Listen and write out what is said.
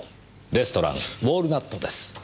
レストランウォールナットです。